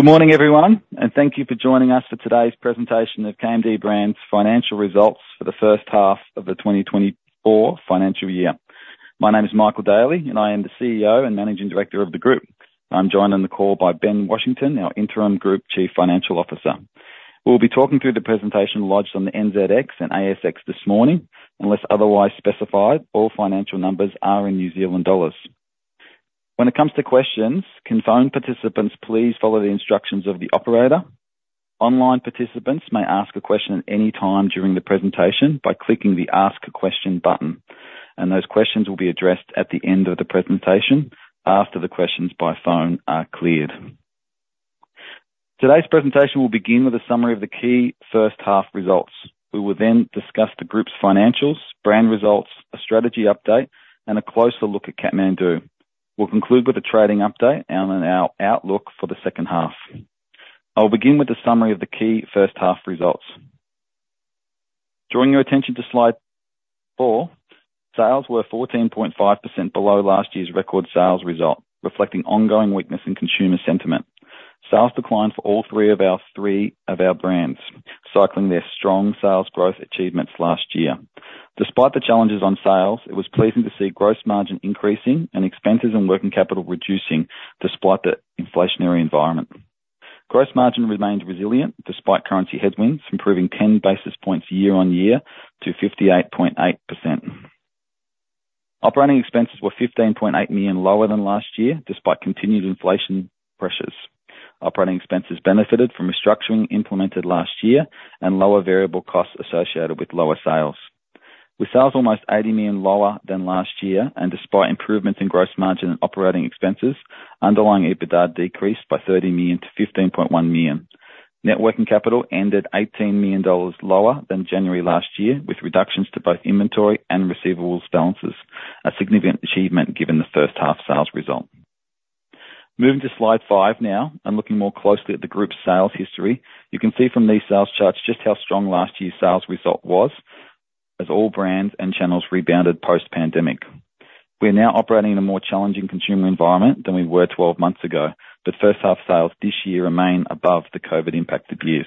Good morning, everyone, and thank you for joining us for today's presentation of KMD Brands' financial results for the first half of the 2024 financial year. My name is Michael Daly, and I am the CEO and Managing Director of the group. I'm joined on the call by Ben Washington, our Interim Group Chief Financial Officer. We'll be talking through the presentation lodged on the NZX and ASX this morning. Unless otherwise specified, all financial numbers are in New Zealand dollars. When it comes to questions, can phone participants please follow the instructions of the operator? Online participants may ask a question at any time during the presentation by clicking the Ask a Question button, and those questions will be addressed at the end of the presentation, after the questions by phone are cleared. Today's presentation will begin with a summary of the key first half results. We will then discuss the group's financials, brand results, a strategy update, and a closer look at Kathmandu. We'll conclude with a trading update and on our outlook for the second half. I'll begin with a summary of the key first half results. Drawing your attention to slide four, sales were 14.5% below last year's record sales result, reflecting ongoing weakness in consumer sentiment. Sales declined for all three of our brands, cycling their strong sales growth achievements last year. Despite the challenges on sales, it was pleasing to see gross margin increasing and expenses and working capital reducing despite the inflationary environment. Gross margin remained resilient despite currency headwinds, improving 10 basis points year-on-year to 58.8%. Operating expenses were 15.8 million lower than last year, despite continued inflation pressures. Operating expenses benefited from restructuring implemented last year and lower variable costs associated with lower sales. With sales almost 80 million lower than last year, and despite improvements in gross margin and operating expenses, underlying EBITDA decreased by 30 million to 15.1 million. Net working capital ended NZD 18 million lower than January last year, with reductions to both inventory and receivables balances, a significant achievement given the first half sales result. Moving to slide five now, and looking more closely at the group's sales history, you can see from these sales charts just how strong last year's sales result was, as all brands and channels rebounded post-pandemic. We are now operating in a more challenging consumer environment than we were twelve months ago, but first half sales this year remain above the COVID-impacted years.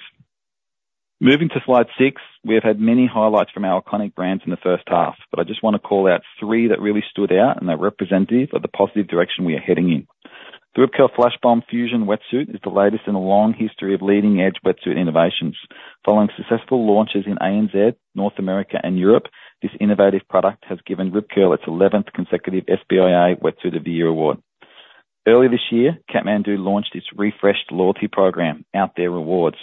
Moving to slide six, we have had many highlights from our iconic brands in the first half, but I just wanna call out three that really stood out and are representative of the positive direction we are heading in. The Rip Curl Flashbomb Fusion wetsuit is the latest in a long history of leading-edge wetsuit innovations. Following successful launches in ANZ, North America, and Europe, this innovative product has given Rip Curl its 11th consecutive SBIA Wetsuit of the Year award. Earlier this year, Kathmandu launched its refreshed loyalty program, Out There Rewards.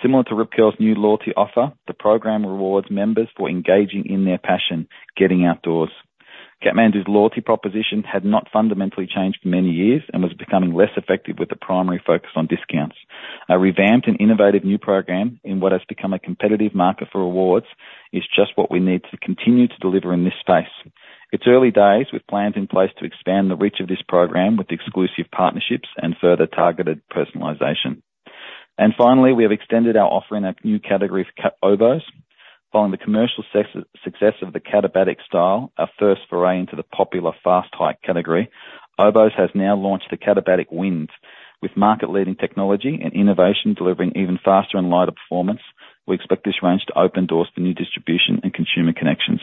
Similar to Rip Curl's new loyalty offer, the program rewards members for engaging in their passion, getting outdoors. Kathmandu's loyalty proposition had not fundamentally changed for many years and was becoming less effective, with a primary focus on discounts. A revamped and innovative new program, in what has become a competitive market for rewards, is just what we need to continue to deliver in this space. It's early days, with plans in place to expand the reach of this program with exclusive partnerships and further targeted personalization. And finally, we have extended our offering of new category for Oboz. Following the commercial success of the Katabatic Style, our first foray into the popular fast hike category, Oboz has now launched the Katabatic Wind. With market-leading technology and innovation delivering even faster and lighter performance, we expect this range to open doors to new distribution and consumer connections.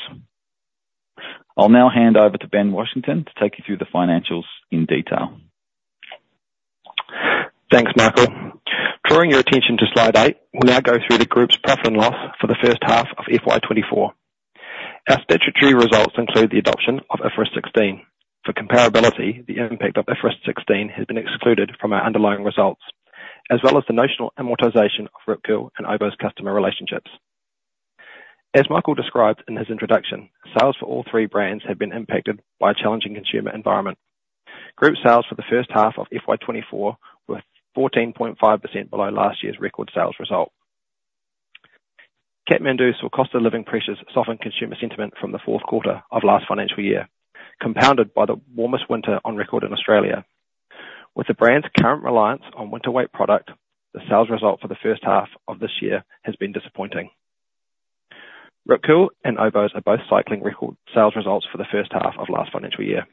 I'll now hand over to Ben Washington to take you through the financials in detail. Thanks, Michael. Drawing your attention to slide eight, we'll now go through the group's profit and loss for the first half of FY 2024. Our statutory results include the adoption of IFRS 16. For comparability, the impact of IFRS 16 has been excluded from our underlying results, as well as the notional amortization of Rip Curl and Oboz customer relationships. As Michael described in his introduction, sales for all three brands have been impacted by a challenging consumer environment. Group sales for the first half of FY 2024 were 14.5% below last year's record sales result. Kathmandu saw cost of living pressures soften consumer sentiment from the fourth quarter of last financial year, compounded by the warmest winter on record in Australia. With the brand's current reliance on winter weight product, the sales result for the first half of this year has been disappointing. Rip Curl and Oboz are both cycling record sales results for the first half of last financial year.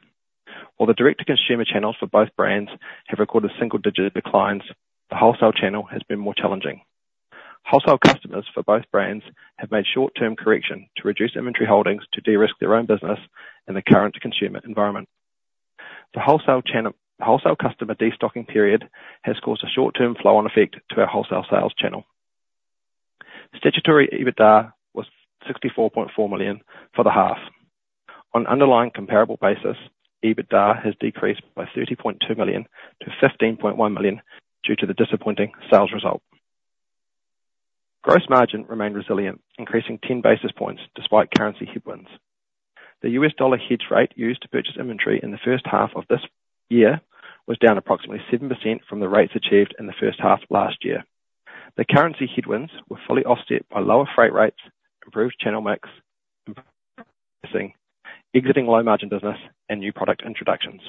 While the direct-to-consumer channels for both brands have recorded single-digit declines, the wholesale channel has been more challenging. Wholesale customers for both brands have made short-term correction to reduce inventory holdings to de-risk their own business in the current consumer environment. The wholesale channel, wholesale customer destocking period has caused a short-term flow-on effect to our wholesale sales channel. Statutory EBITDA was 64.4 million for the half. On underlying comparable basis, EBITDA has decreased by 30.2 million to 15.1 million due to the disappointing sales result. Gross margin remained resilient, increasing 10 basis points despite currency headwinds. The US dollar hedge rate used to purchase inventory in the first half of this year was down approximately 7% from the rates achieved in the first half of last year. The currency headwinds were fully offset by lower freight rates, improved channel mix, exiting low-margin business, and new product introductions.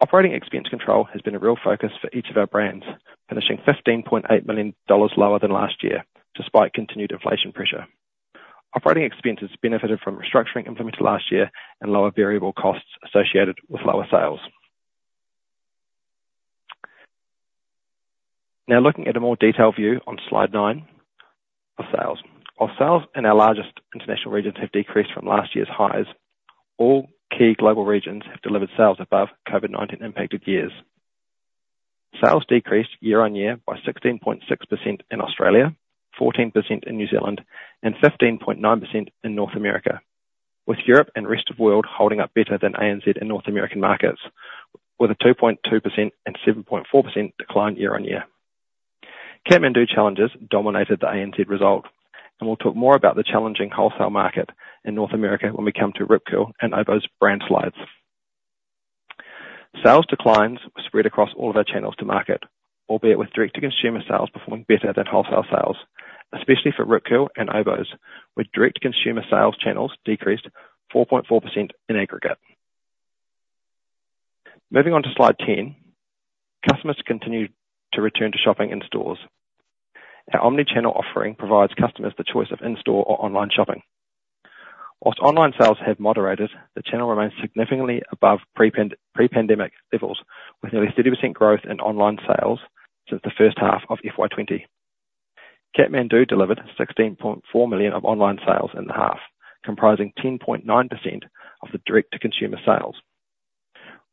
Operating expense control has been a real focus for each of our brands, finishing 15.8 million dollars lower than last year, despite continued inflation pressure. Operating expenses benefited from restructuring implemented last year and lower variable costs associated with lower sales. Now, looking at a more detailed view on Slide 9, our sales. Our sales in our largest international regions have decreased from last year's highs. All key global regions have delivered sales above COVID-19 impacted years. Sales decreased year-on-year by 16.6% in Australia, 14% in New Zealand, and 15.9% in North America, with Europe and rest of world holding up better than ANZ and North American markets, with a 2.2% and 7.4% decline year-on-year. Kathmandu challenges dominated the ANZ result, and we'll talk more about the challenging wholesale market in North America when we come to Rip Curl and Oboz brand slides. Sales declines were spread across all of our channels to market, albeit with direct-to-consumer sales performing better than wholesale sales, especially for Rip Curl and Oboz, with direct-to-consumer sales channels decreased 4.4% in aggregate. Moving on to Slide 10. Customers continue to return to shopping in stores. Our omni-channel offering provides customers the choice of in-store or online shopping. While online sales have moderated, the channel remains significantly above pre-pandemic levels, with nearly 30% growth in online sales since the first half of FY 2020. Kathmandu delivered 16.4 million of online sales in the half, comprising 10.9% of the direct-to-consumer sales.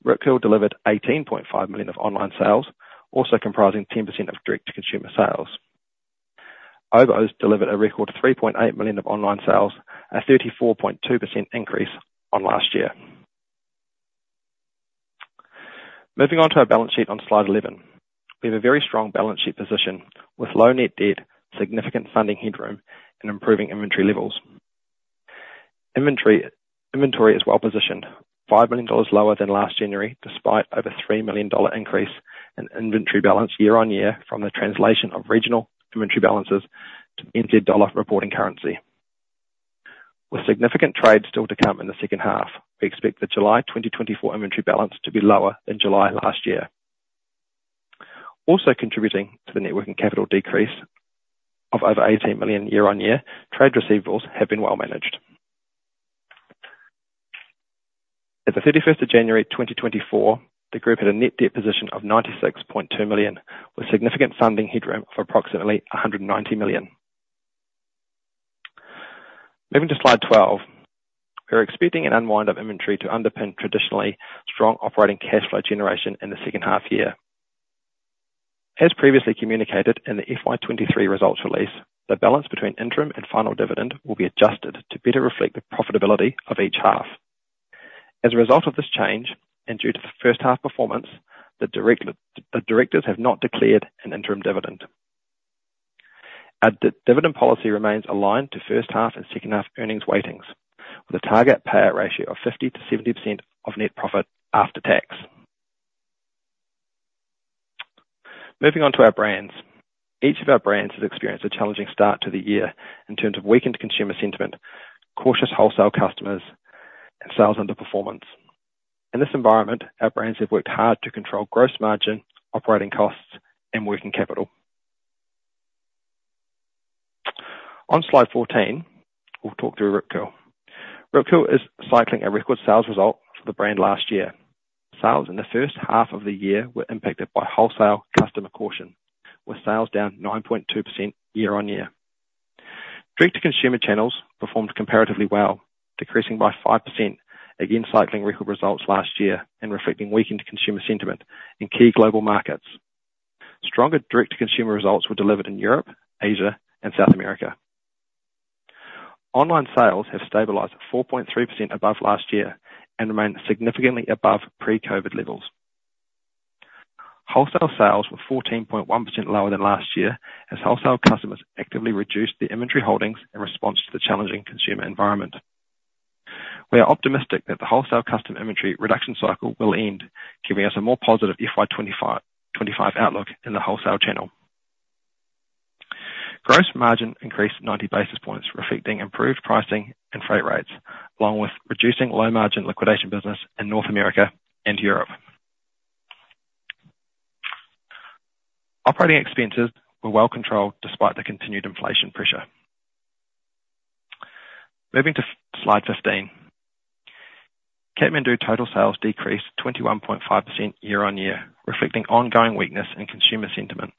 Rip Curl delivered 18.5 million of online sales, also comprising 10% of direct-to-consumer sales. Oboz delivered a record 3.8 million of online sales, a 34.2% increase on last year. Moving on to our balance sheet on Slide 11. We have a very strong balance sheet position with low net debt, significant funding headroom, and improving inventory levels. Inventory is well positioned, 5 million dollars lower than last January, despite over 3 million-dollar increase in inventory balance year-on-year from the translation of regional inventory balances to NZ dollar reporting currency. With significant trade still to come in the second half, we expect the July 2024 inventory balance to be lower than July last year. Also contributing to the net working capital decrease of over 18 million year-on-year, trade receivables have been well managed. At the 31st of January 2024, the group had a net debt position of 96.2 million, with significant funding headroom of approximately 190 million. Moving to slide 12. We're expecting an unwind of inventory to underpin traditionally strong operating cash flow generation in the second half year. As previously communicated in the FY 2023 results release, the balance between interim and final dividend will be adjusted to better reflect the profitability of each half. As a result of this change, and due to the first half performance, the directors have not declared an interim dividend. Our dividend policy remains aligned to first half and second half earnings weightings, with a target payout ratio of 50%-70% of net profit after tax. Moving on to our brands. Each of our brands has experienced a challenging start to the year in terms of weakened consumer sentiment, cautious wholesale customers, and sales underperformance. In this environment, our brands have worked hard to control gross margin, operating costs, and working capital. On Slide 14, we'll talk through Rip Curl. Rip Curl is cycling a record sales result for the brand last year. Sales in the first half of the year were impacted by wholesale customer caution, with sales down 9.2% year-on-year. Direct-to-consumer channels performed comparatively well, decreasing by 5%, again, cycling record results last year and reflecting weakened consumer sentiment in key global markets. Stronger direct-to-consumer results were delivered in Europe, Asia, and South America. Online sales have stabilized at 4.3% above last year and remain significantly above pre-COVID levels. Wholesale sales were 14.1% lower than last year as wholesale customers actively reduced their inventory holdings in response to the challenging consumer environment. We are optimistic that the wholesale customer inventory reduction cycle will end, giving us a more positive FY 2025 outlook in the wholesale channel. Gross margin increased 90 basis points, reflecting improved pricing and freight rates, along with reducing low-margin liquidation business in North America and Europe. Operating expenses were well controlled despite the continued inflation pressure. Moving to slide 15. Kathmandu total sales decreased 21.5% year-on-year, reflecting ongoing weakness in consumer sentiment.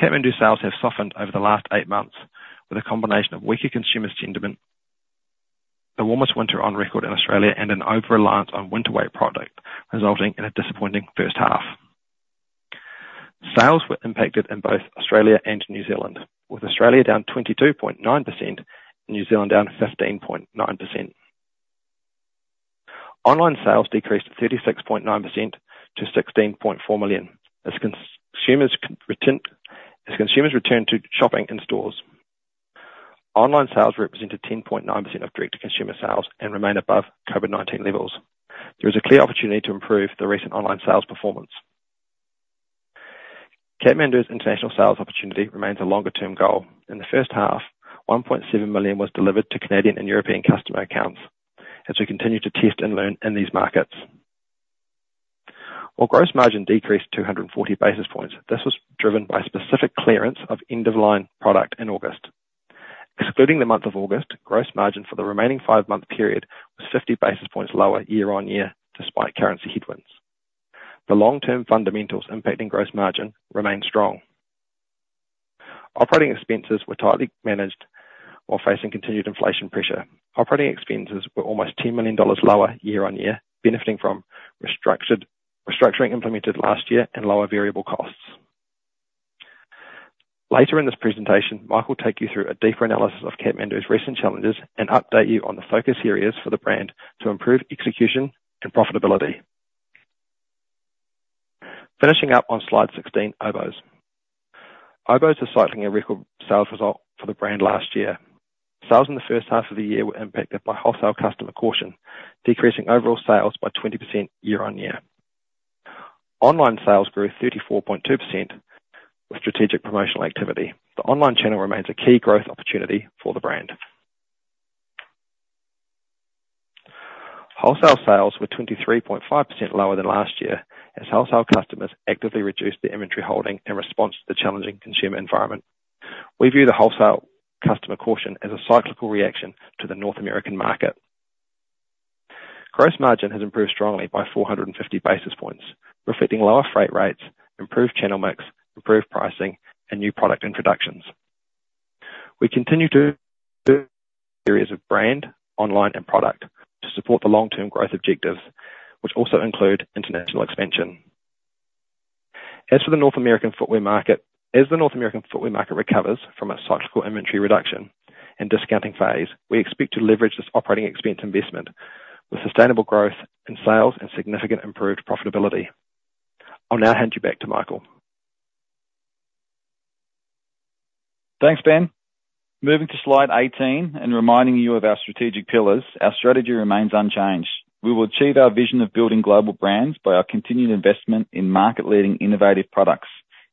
Kathmandu sales have softened over the last eight months with a combination of weaker consumer sentiment, the warmest winter on record in Australia, and an over-reliance on winter weight product, resulting in a disappointing first half. Sales were impacted in both Australia and New Zealand, with Australia down 22.9% and New Zealand down 15.9%. Online sales decreased 36.9% to 16.4 million as consumers return to shopping in stores. Online sales represented 10.9% of direct-to-consumer sales and remain above COVID-19 levels. There is a clear opportunity to improve the recent online sales performance. Kathmandu's international sales opportunity remains a longer-term goal. In the first half, 1.7 million was delivered to Canadian and European customer accounts as we continue to test and learn in these markets. While gross margin decreased 240 basis points, this was driven by specific clearance of end-of-line product in August. Excluding the month of August, gross margin for the remaining five-month period was 50 basis points lower year-on-year, despite currency headwinds. The long-term fundamentals impacting gross margin remain strong. Operating expenses were tightly managed while facing continued inflation pressure. Operating expenses were almost 10 million dollars lower year-on-year, benefiting from restructuring implemented last year and lower variable costs. Later in this presentation, Mike will take you through a deeper analysis of Kathmandu's recent challenges and update you on the focus areas for the brand to improve execution and profitability. Finishing up on slide 16, Oboz. Oboz is cycling a record sales result for the brand last year. Sales in the first half of the year were impacted by wholesale customer caution, decreasing overall sales by 20% year-on-year. Online sales grew 34.2% with strategic promotional activity. The online channel remains a key growth opportunity for the brand. Wholesale sales were 23.5% lower than last year, as wholesale customers actively reduced their inventory holding in response to the challenging consumer environment. We view the wholesale customer caution as a cyclical reaction to the North American market. Gross margin has improved strongly by 450 basis points, reflecting lower freight rates, improved channel mix, improved pricing, and new product introductions. We continue to do areas of brand, online, and product to support the long-term growth objectives, which also include international expansion. As for the North American footwear market, as the North American footwear market recovers from a cyclical inventory reduction and discounting phase, we expect to leverage this operating expense investment with sustainable growth in sales and significant improved profitability. I'll now hand you back to Michael. Thanks, Ben. Moving to slide 18 and reminding you of our strategic pillars, our strategy remains unchanged. We will achieve our vision of building global brands by our continued investment in market-leading innovative products,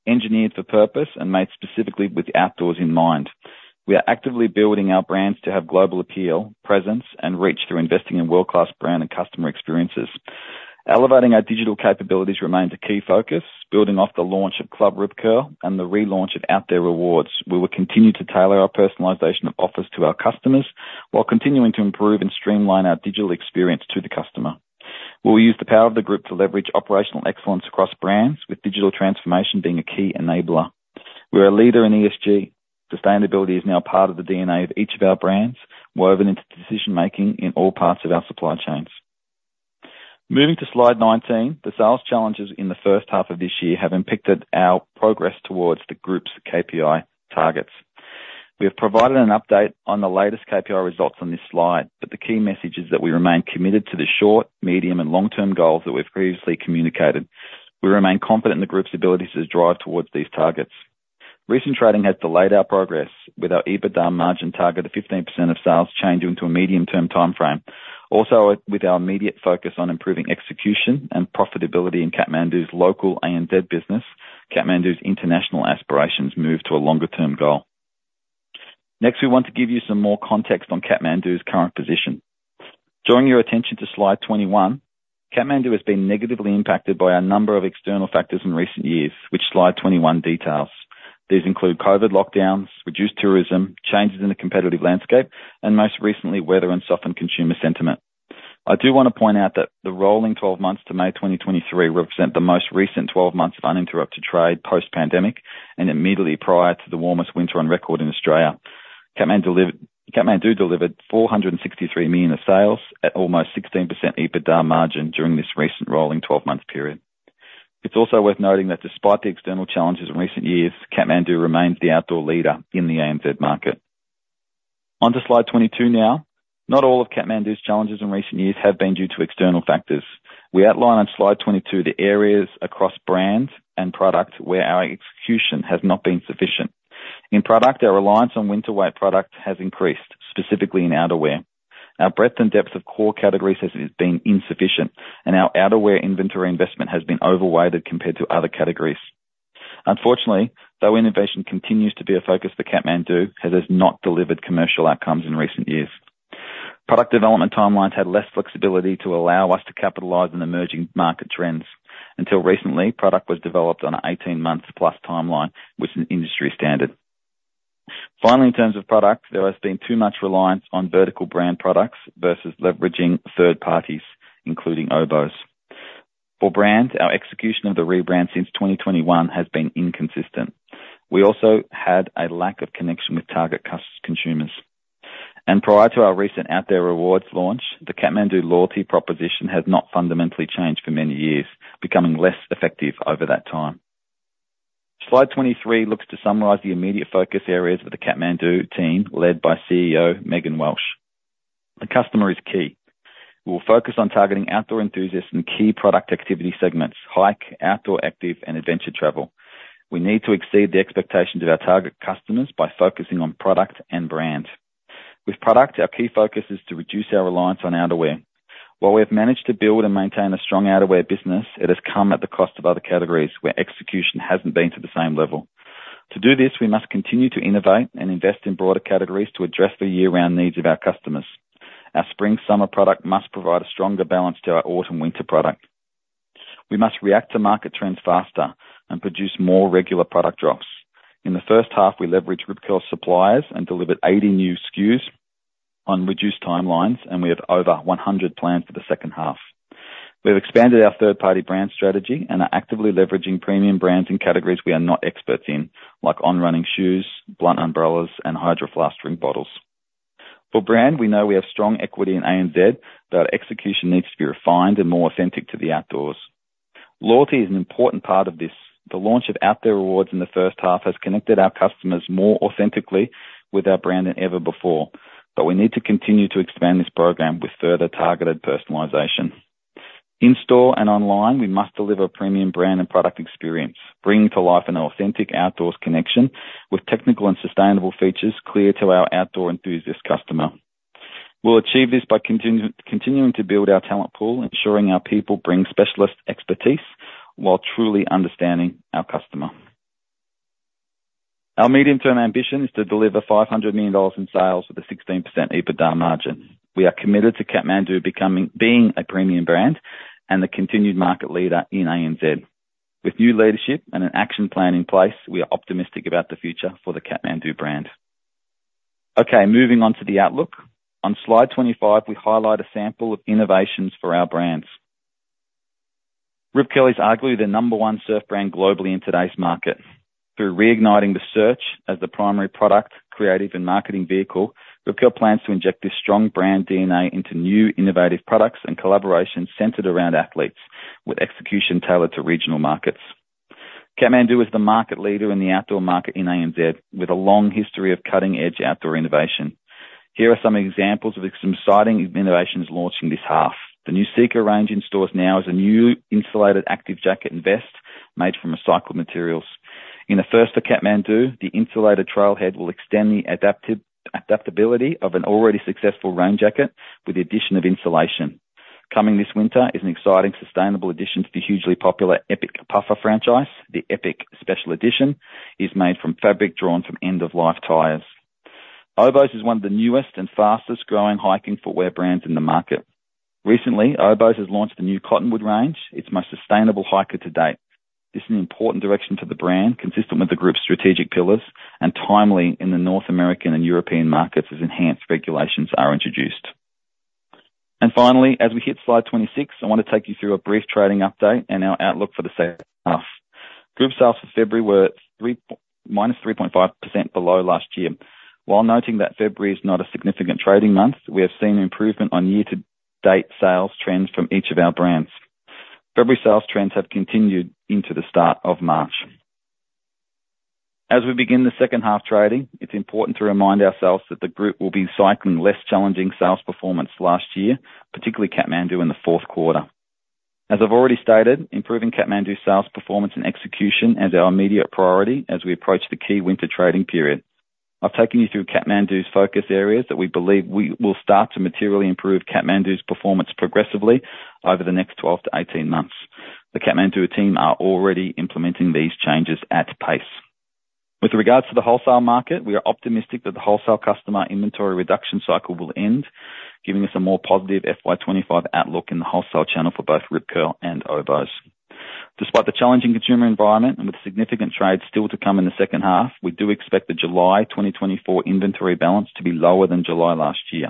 engineered for purpose and made specifically with the outdoors in mind. We are actively building our brands to have global appeal, presence, and reach through investing in world-class brand and customer experiences. Elevating our digital capabilities remains a key focus, building off the launch of Club Rip Curl and the relaunch of Out There Rewards. We will continue to tailor our personalization of offers to our customers, while continuing to improve and streamline our digital experience to the customer. We'll use the power of the group to leverage operational excellence across brands, with digital transformation being a key enabler. We're a leader in ESG. Sustainability is now part of the DNA of each of our brands, woven into decision-making in all parts of our supply chains. Moving to slide 19, the sales challenges in the first half of this year have impacted our progress towards the group's KPI targets. We have provided an update on the latest KPI results on this slide, but the key message is that we remain committed to the short, medium, and long-term goals that we've previously communicated. We remain confident in the group's ability to drive towards these targets. Recent trading has delayed our progress, with our EBITDA margin target of 15% of sales changing to a medium-term timeframe. Also, with our immediate focus on improving execution and profitability in Kathmandu's local ANZ business, Kathmandu's international aspirations move to a longer-term goal. Next, we want to give you some more context on Kathmandu's current position. Drawing your attention to slide 21, Kathmandu has been negatively impacted by a number of external factors in recent years, which slide 21 details. These include COVID lockdowns, reduced tourism, changes in the competitive landscape, and most recently, weather and softened consumer sentiment. I do wanna point out that the rolling twelve months to May 2023 represent the most recent twelve months of uninterrupted trade post-pandemic, and immediately prior to the warmest winter on record in Australia. Kathmandu delivered 463 million in sales at almost 16% EBITDA margin during this recent rolling twelve-month period. It's also worth noting that despite the external challenges in recent years, Kathmandu remains the outdoor leader in the ANZ market. Onto slide 22 now. Not all of Kathmandu's challenges in recent years have been due to external factors. We outline on Slide 22 the areas across brands and products where our execution has not been sufficient. In product, our reliance on winter weight product has increased, specifically in outerwear. Our breadth and depth of core categories has been insufficient, and our outerwear inventory investment has been overweighted compared to other categories. Unfortunately, though innovation continues to be a focus for Kathmandu, it has not delivered commercial outcomes in recent years. Product development timelines had less flexibility to allow us to capitalize on emerging market trends. Until recently, product was developed on an 18-month-plus timeline, which is an industry standard. Finally, in terms of product, there has been too much reliance on vertical brand products versus leveraging third parties, including Oboz. For brands, our execution of the rebrand since 2021 has been inconsistent. We also had a lack of connection with target consumers, and prior to our recent Out There Rewards launch, the Kathmandu loyalty proposition has not fundamentally changed for many years, becoming less effective over that time. Slide 23 looks to summarize the immediate focus areas of the Kathmandu team, led by CEO Megan Welch. The customer is key. We'll focus on targeting outdoor enthusiasts in key product activity segments: hike, outdoor active, and adventure travel. We need to exceed the expectations of our target customers by focusing on product and brand. With product, our key focus is to reduce our reliance on outerwear. While we have managed to build and maintain a strong outerwear business, it has come at the cost of other categories, where execution hasn't been to the same level. To do this, we must continue to innovate and invest in broader categories to address the year-round needs of our customers. Our spring/summer product must provide a stronger balance to our autumn/winter product. We must react to market trends faster and produce more regular product drops. In the first half, we leveraged Rip Curl suppliers and delivered 80 new SKUs on reduced timelines, and we have over 100 planned for the second half. We've expanded our third-party brand strategy and are actively leveraging premium brands and categories we are not experts in, like On running shoes, BLUNT umbrellas, and Hydro Flask drink bottles. For brand, we know we have strong equity in ANZ, but our execution needs to be refined and more authentic to the outdoors. Loyalty is an important part of this. The launch of Out There Rewards in the first half has connected our customers more authentically with our brand than ever before, but we need to continue to expand this program with further targeted personalization. In-store and online, we must deliver a premium brand and product experience, bringing to life an authentic outdoors connection with technical and sustainable features clear to our outdoor enthusiast customer. We'll achieve this by continuing to build our talent pool, ensuring our people bring specialist expertise while truly understanding our customer. Our medium-term ambition is to deliver NZD 500 million in sales with a 16% EBITDA margin. We are committed to Kathmandu being a premium brand and the continued market leader in ANZ. With new leadership and an action plan in place, we are optimistic about the future for the Kathmandu brand. Okay, moving on to the outlook. On slide 25, we highlight a sample of innovations for our brands. Rip Curl is arguably the number 1 surf brand globally in today's market. Through reigniting the search as the primary product, creative, and marketing vehicle, Rip Curl plans to inject this strong brand DNA into new innovative products and collaborations centered around athletes, with execution tailored to regional markets. Kathmandu is the market leader in the outdoor market in ANZ, with a long history of cutting-edge outdoor innovation. Here are some examples of some excycling innovations launching this half. The new Seeker range in stores now is a new insulated active jacket and vest made from recycled materials. In a first for Kathmandu, the Insulator Trailhead will extend the adaptability of an already successful rain jacket with the addition of insulation. Coming this winter is an excycling, sustainable addition to the hugely popular Epic Puffer franchise. The Epic Special Edition is made from fabric drawn from end-of-life tires. Oboz is one of the newest and fastest growing hiking footwear brands in the market. Recently, Oboz has launched the new Cottonwood range, its most sustainable hiker to date. This is an important direction for the brand, consistent with the group's strategic pillars, and timely in the North American and European markets as enhanced regulations are introduced. Finally, as we hit slide 26, I wanna take you through a brief trading update and our outlook for the second half. Group sales for February were -3.5% below last year. While noting that February is not a significant trading month, we have seen improvement on year-to-date sales trends from each of our brands. February sales trends have continued into the start of March. As we begin the second half trading, it's important to remind ourselves that the group will be cycling less challenging sales performance last year, particularly Kathmandu, in the fourth quarter. As I've already stated, improving Kathmandu's sales performance and execution is our immediate priority as we approach the key winter trading period. I've taken you through Kathmandu's focus areas, that we believe we will start to materially improve Kathmandu's performance progressively over the next 12-18 months. The Kathmandu team are already implementing these changes at pace. With regards to the wholesale market, we are optimistic that the wholesale customer inventory reduction cycle will end, giving us a more positive FY 25 outlook in the wholesale channel for both Rip Curl and Oboz. Despite the challenging consumer environment and with significant trade still to come in the second half, we do expect the July 2024 inventory balance to be lower than July last year.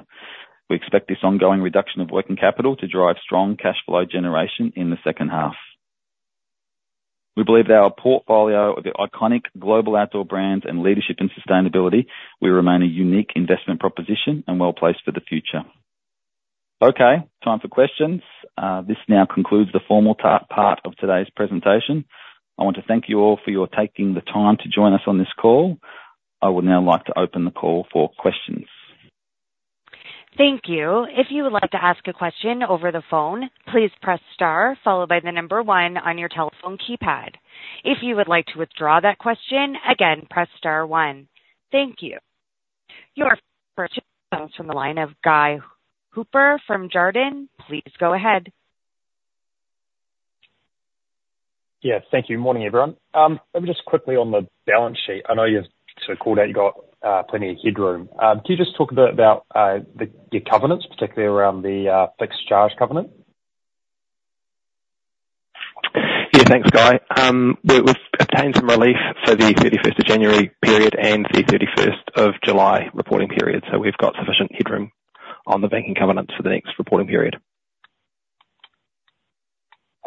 We expect this ongoing reduction of working capital to drive strong cash flow generation in the second half. We believe that our portfolio of the iconic global outdoor brands and leadership and sustainability. We remain a unique investment proposition and well-placed for the future. Okay, time for questions. This now concludes the formal part of today's presentation. I want to thank you all for your taking the time to join us on this call. I would now like to open the call for questions. Thank you. If you would like to ask a question over the phone, please press star followed by the number one on your telephone keypad. If you would like to withdraw that question, again, press star one. Thank you. Your first from the line of Guy Hooper from Jarden. Please go ahead. Yeah, thank you. Morning, everyone. Let me just quickly on the balance sheet. I know you've sort of called out you've got plenty of headroom. Can you just talk a bit about the covenants, particularly around the fixed charge covenant? Yeah, thanks, Guy. We've obtained some relief for the 31st of January period and the 31st of July reporting period, so we've got sufficient headroom on the banking covenants for the next reporting period.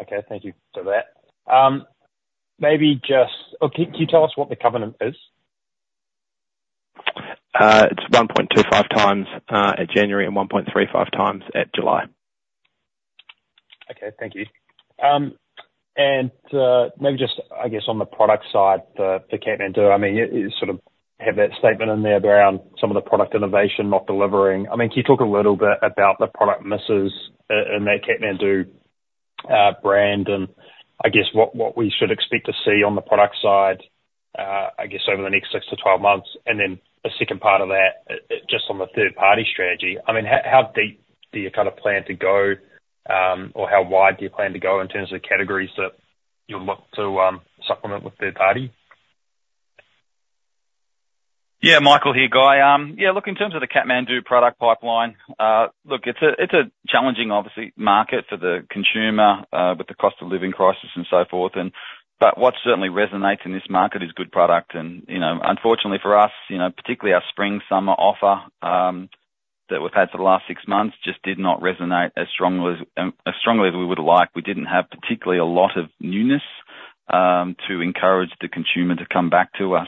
Okay, thank you for that. Maybe just... Oh, can you tell us what the covenant is? It's 1.25x at January, and 1.35x at July. Okay, thank you. And maybe just, I guess, on the product side for Kathmandu, I mean, you sort of have that statement in there around some of the product innovation not delivering. I mean, can you talk a little bit about the product misses in that Kathmandu brand, and I guess what we should expect to see on the product side, I guess, over the next 6-12 months? And then the second part of that—a third party strategy, I mean, how deep do you kind of plan to go, or how wide do you plan to go in terms of the categories that you'll look to supplement with third party? Yeah, Michael, here, Guy. Yeah, look, in terms of the Kathmandu product pipeline, look, it's a challenging, obviously, market for the consumer with the cost of living crisis and so forth, but what certainly resonates in this market is good product. You know, unfortunately for us, you know, particularly our spring/summer offer that we've had for the last six months just did not resonate as strongly as we would've liked. We didn't have particularly a lot of newness to encourage the consumer to come back to us.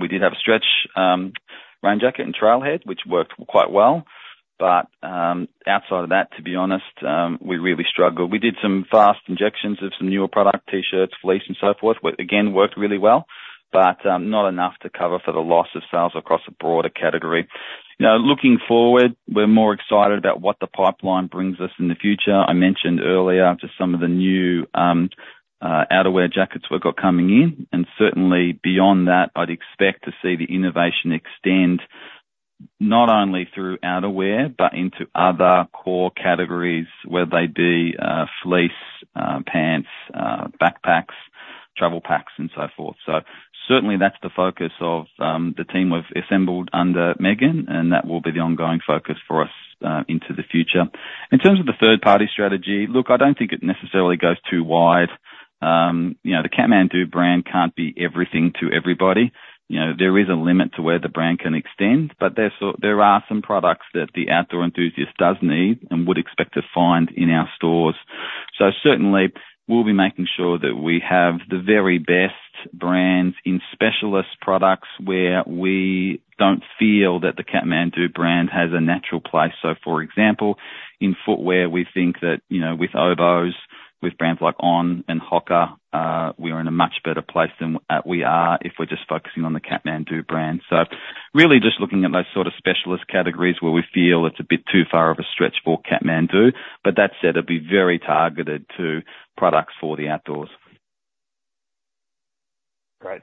We did have a stretch rain jacket and Trailhead, which worked quite well, but outside of that, to be honest, we really struggled. We did some fast injections of some newer product T-shirts, fleece, and so forth, which again, worked really well, but not enough to cover for the loss of sales across a broader category. Now, looking forward, we're more excited about what the pipeline brings us in the future. I mentioned earlier just some of the new outerwear jackets we've got coming in, and certainly beyond that, I'd expect to see the innovation extend not only through outerwear, but into other core categories, whether they be fleece, pants, backpacks, travel packs, and so forth. So certainly that's the focus of the team we've assembled under Megan, and that will be the ongoing focus for us into the future. In terms of the third party strategy, look, I don't think it necessarily goes too wide. You know, the Kathmandu brand can't be everything to everybody. You know, there is a limit to where the brand can extend, but there are some products that the outdoor enthusiast does need and would expect to find in our stores. So certainly we'll be making sure that we have the very best brands in specialist products, where we don't feel that the Kathmandu brand has a natural place. So for example, in footwear, we think that, you know, with Oboz, with brands like On and HOKA, we are in a much better place than we are if we're just focusing on the Kathmandu brand. So really just looking at those sort of specialist categories where we feel it's a bit too far of a stretch for Kathmandu. But that said, it'd be very targeted to products for the outdoors. Great.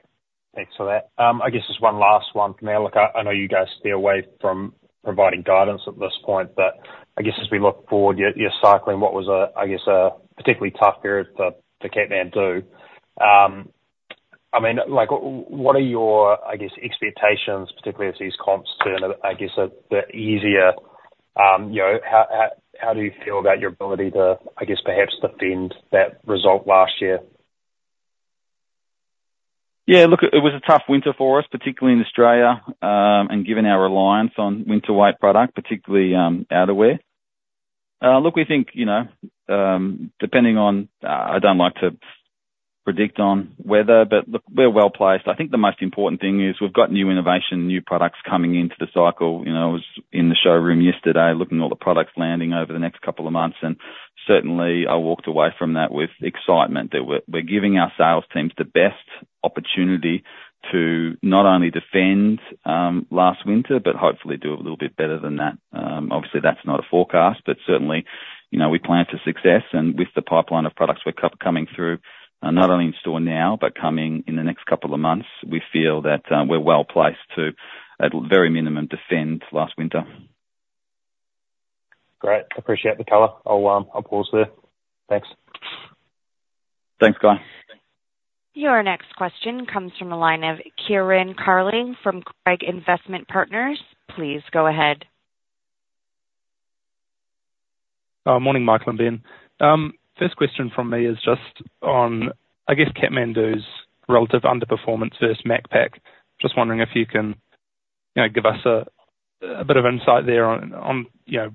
Thanks for that. I guess just one last one from me. Look, I know you guys stay away from providing guidance at this point, but I guess as we look forward, you're cycling what was a, I guess, a particularly tough period for Kathmandu. I mean, like, what are your, I guess, expectations, particularly as these comps turn, I guess, a bit easier, you know, how do you feel about your ability to, I guess, perhaps defend that result last year? Yeah, look, it was a tough winter for us, particularly in Australia, and given our reliance on winter weight product, particularly outerwear. Look, we think, you know, depending on, I don't like to predict on weather, but look, we're well-placed. I think the most important thing is we've got new innovation, new products coming into the cycle. You know, I was in the showroom yesterday looking at all the products landing over the next couple of months, and certainly I walked away from that with excitement, that we're, we're giving our sales teams the best opportunity to not only defend last winter, but hopefully do a little bit better than that. Obviously that's not a forecast, but certainly, you know, we plan to success and with the pipeline of products we're coming through, not only in store now, but coming in the next couple of months, we feel that we're well-placed to, at very minimum, defend last winter. Great. Appreciate the color. I'll pause there. Thanks. Thanks, Guy. Your next question comes from the line of Kieran Carling from Craig Investment Partners. Please go ahead. Morning, Michael and Ben. First question from me is just on, I guess, Kathmandu's relative underperformance versus Macpac. Just wondering if you can, you know, give us a bit of insight there on, on, you know,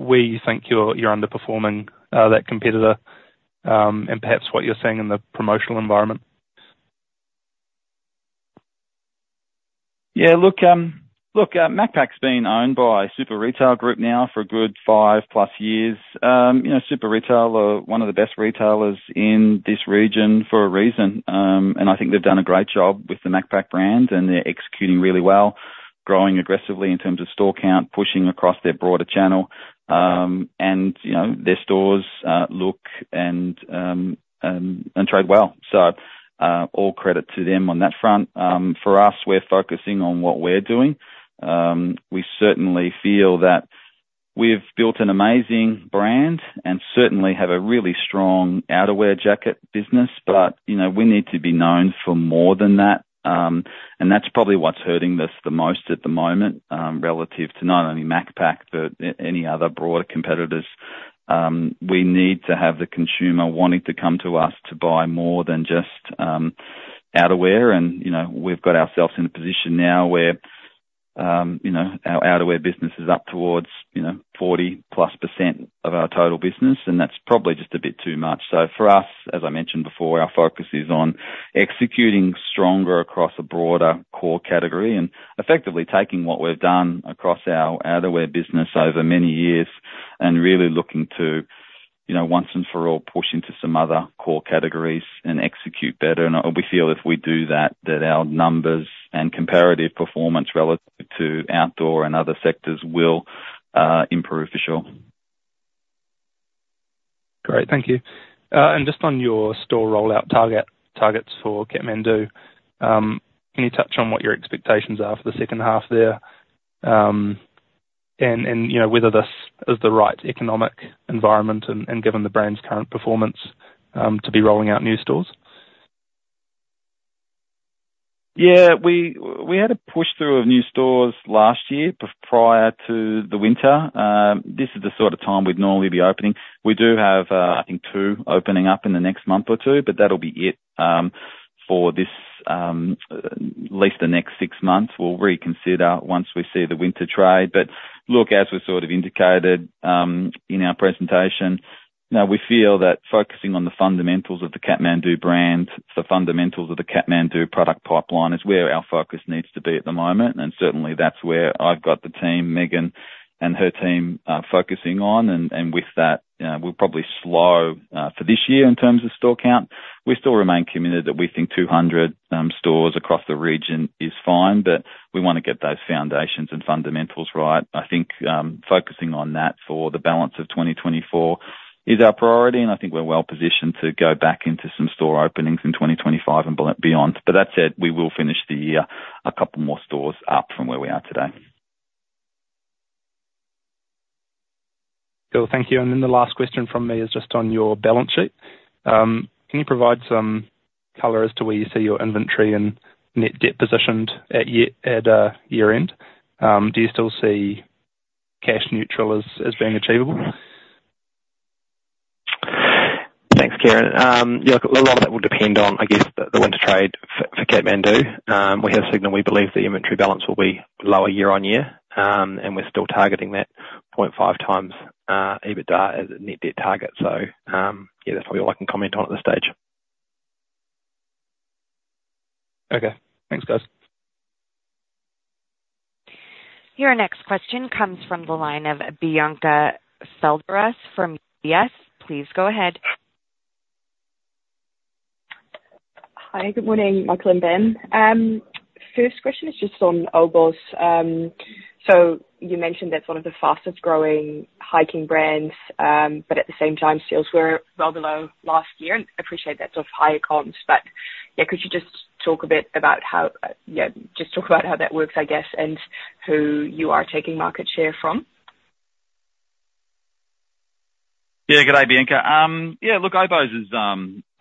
where you think you're underperforming that competitor, and perhaps what you're seeing in the promotional environment. Yeah, Macpac's been owned by Super Retail Group now for a good 5+ years. You know, Super Retail are one of the best retailers in this region for a reason, and I think they've done a great job with the Macpac brand, and they're executing really well, growing aggressively in terms of store count, pushing across their broader channel. And, you know, their stores look and trade well. So, all credit to them on that front. For us, we're focusing on what we're doing. We certainly feel that we've built an amazing brand and certainly have a really strong outerwear jacket business, but, you know, we need to be known for more than that. And that's probably what's hurting us the most at the moment, relative to not only Macpac, but any other broader competitors. We need to have the consumer wanting to come to us to buy more than just outerwear. And, you know, we've got ourselves in a position now where, you know, our outerwear business is up towards, you know, 40%+ of our total business, and that's probably just a bit too much. So for us, as I mentioned before, our focus is on executing stronger across a broader core category and effectively taking what we've done across our outerwear business over many years and really looking to, you know, once and for all, push into some other core categories and execute better. We feel if we do that, that our numbers and comparative performance relative to outdoor and other sectors will improve for sure.... Great. Thank you. And just on your store rollout target, targets for Kathmandu, can you touch on what your expectations are for the second half there? And, you know, whether this is the right economic environment and given the brand's current performance, to be rolling out new stores? Yeah, we had a push-through of new stores last year, prior to the winter. This is the sort of time we'd normally be opening. We do have, I think, two opening up in the next month or two, but that'll be it, for this, at least the next six months. We'll reconsider once we see the winter trade. But look, as we sort of indicated, in our presentation, now we feel that focusing on the fundamentals of the Kathmandu brand, the fundamentals of the Kathmandu product pipeline, is where our focus needs to be at the moment, and certainly that's where I've got the team, Megan and her team, focusing on. And with that, we'll probably slow, for this year in terms of store count. We still remain committed that we think 200 stores across the region is fine, but we wanna get those foundations and fundamentals right. I think focusing on that for the balance of 2024 is our priority, and I think we're well positioned to go back into some store openings in 2025 and beyond. But that said, we will finish the year a couple more stores up from where we are today. Cool, thank you. And then the last question from me is just on your balance sheet. Can you provide some color as to where you see your inventory and net debt positioned at year-end? Do you still see cash neutral as being achievable? Thanks, Kieran. Yeah, look, a lot of that will depend on, I guess, the winter trade for Kathmandu. We have signaled we believe the inventory balance will be lower year-on-year. And we're still targeting that 0.5x EBITDA as a net debt target. So, yeah, that's probably all I can comment on at this stage. Okay, thanks, guys. Your next question comes from the line of Bianca Frys from UBS. Please go ahead. Hi, good morning, Michael and Ben. First question is just on Oboz. So you mentioned that's one of the fastest growing hiking brands, but at the same time, sales were well below last year. And I appreciate that's off higher comps, but, yeah, could you just talk a bit about how. Yeah, just talk about how that works, I guess, and who you are taking market share from? Yeah, good day, Bianca. Yeah, look, Oboz is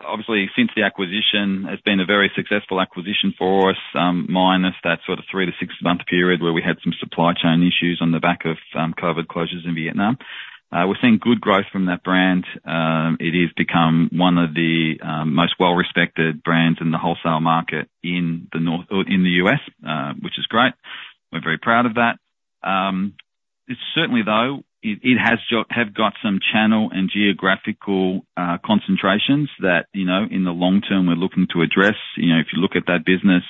obviously, since the acquisition, has been a very successful acquisition for us, minus that sort of three-six-month period where we had some supply chain issues on the back of COVID closures in Vietnam. We're seeing good growth from that brand. It has become one of the most well-respected brands in the wholesale market in North America or in the US, which is great. We're very proud of that. It's certainly though it has got some channel and geographical concentrations that, you know, in the long term, we're looking to address. You know, if you look at that business,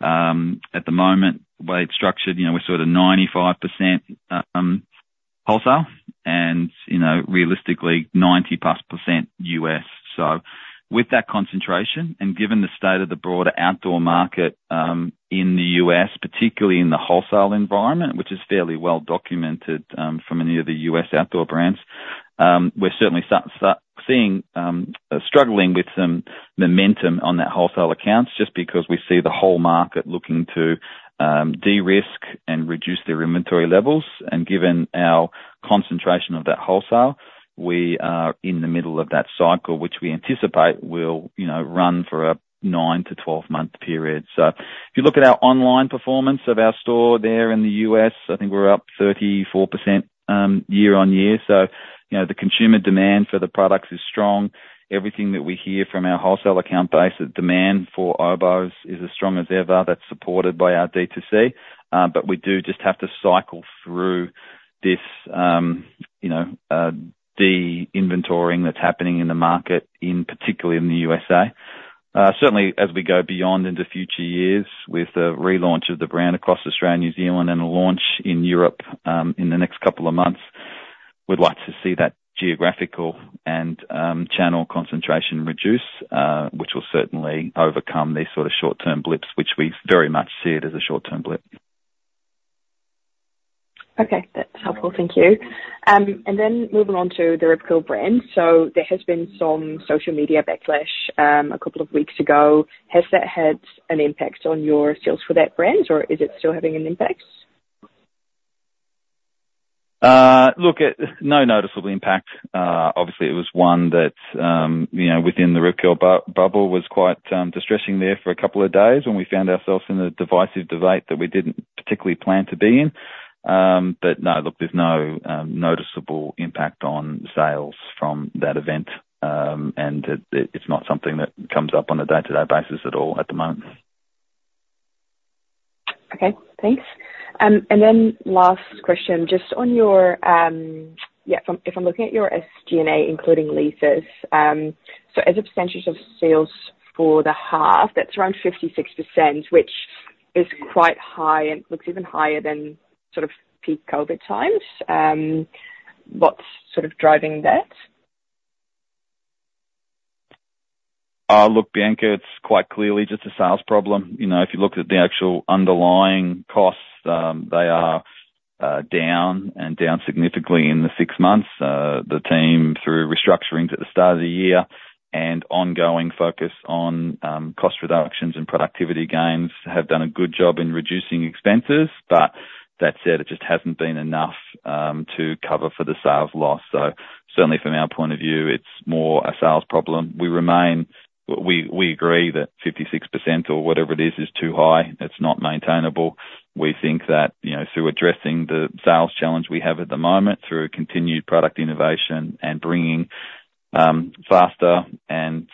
at the moment, the way it's structured, you know, we're sort of 95% wholesale and, you know, realistically 90+% U.S. So with that concentration, and given the state of the broader outdoor market, in the U.S., particularly in the wholesale environment, which is fairly well documented, from many of the US outdoor brands, we're certainly starting to see struggling with some momentum on that wholesale accounts, just because we see the whole market looking to, de-risk and reduce their inventory levels. And given our concentration of that wholesale, we are in the middle of that cycle, which we anticipate will, you know, run for a 9-12-month period. So if you look at our online performance of our store there in the U.S., I think we're up 34%, year-on-year. So, you know, the consumer demand for the products is strong. Everything that we hear from our wholesale account base, the demand for Oboz is as strong as ever. That's supported by our D2C. But we do just have to cycle through this, you know, de-inventoring that's happening in the market, in particularly in the USA. Certainly as we go beyond into future years with the relaunch of the brand across Australia and New Zealand, and a launch in Europe, in the next couple of months, we'd like to see that geographical and channel concentration reduce, which will certainly overcome these sort of short-term blips, which we very much see it as a short-term blip. Okay. That's helpful, thank you. And then moving on to the Rip Curl brand. So there has been some social media backlash, a couple of weeks ago. Has that had an impact on your sales for that brand, or is it still having an impact? Look, no noticeable impact. Obviously, it was one that, you know, within the Rip Curl bubble, was quite distressing there for a couple of days when we found ourselves in a divisive debate that we didn't particularly plan to be in. But no, look, there's no noticeable impact on sales from that event, and it, it's not something that comes up on a day-to-day basis at all, at the moment. Okay, thanks. And then last question, just on your SG&A, including leases, so as a percentage of sales for the half, that's around 56%, which is quite high and looks even higher than sort of peak COVID times. What's sort of driving that?... Look, Bianca, it's quite clearly just a sales problem. You know, if you look at the actual underlying costs, they are down, and down significantly in the six months. The team, through restructurings at the start of the year and ongoing focus on cost reductions and productivity gains, have done a good job in reducing expenses, but that said, it just hasn't been enough to cover for the sales loss. So certainly from our point of view, it's more a sales problem. We remain. We, we agree that 56%, or whatever it is, is too high. It's not maintainable. We think that, you know, through addressing the sales challenge we have at the moment, through continued product innovation and bringing faster and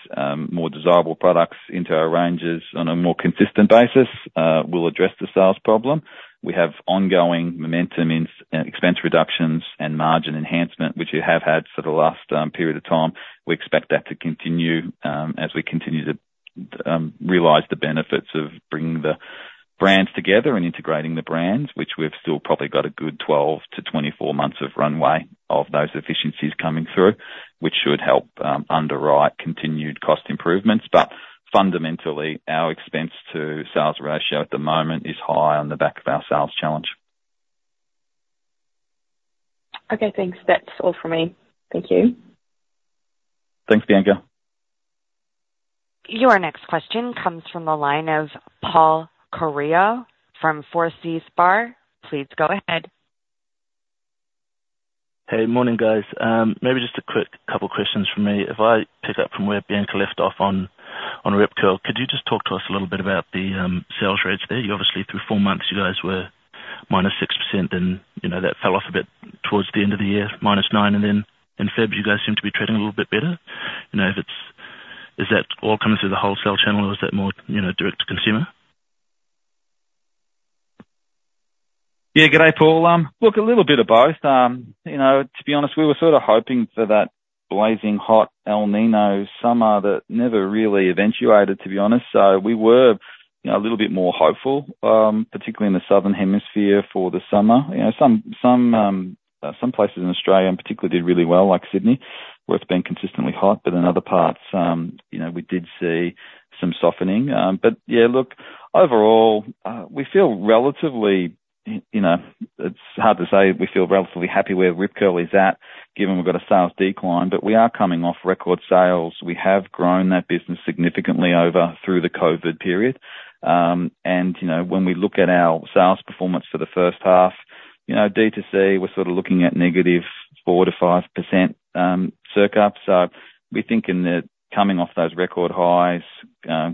more desirable products into our ranges on a more consistent basis, we'll address the sales problem. We have ongoing momentum in expense reductions and margin enhancement, which you have had for the last period of time. We expect that to continue as we continue to realize the benefits of bringing the brands together and integrating the brands, which we've still probably got a good 12-24 months of runway of those efficiencies coming through, which should help underwrite continued cost improvements. But fundamentally, our expense-to-sales ratio at the moment is high on the back of our sales challenge. Okay, thanks. That's all for me. Thank you. Thanks, Bianca. Your next question comes from the line of Paul Koraua from Forsyth Barr. Please go ahead. Hey, morning, guys. Maybe just a quick couple questions from me. If I pick up from where Bianca left off on, on Rip Curl, could you just talk to us a little bit about the sales rates there? You obviously, through four months, you guys were -6%, then, you know, that fell off a bit towards the end of the year, -9%, and then in February, you guys seem to be trending a little bit better. You know, if it's... Is that all coming through the wholesale channel, or is that more, you know, direct to consumer? Yeah. Good day, Paul. Look, a little bit of both. You know, to be honest, we were sort of hoping for that blazing hot El Niño summer that never really eventuated, to be honest. So we were, you know, a little bit more hopeful, particularly in the Southern Hemisphere, for the summer. You know, some places in Australia in particular did really well, like Sydney, where it's been consistently hot, but in other parts, you know, we did see some softening. But yeah, look, overall, we feel relatively, you know, it's hard to say we feel relatively happy where Rip Curl is at, given we've got a sales decline, but we are coming off record sales. We have grown that business significantly over through the COVID period. And, you know, when we look at our sales performance for the first half, you know, D2C, we're sort of looking at negative 4%-5%, circa. So we're thinking that coming off those record highs,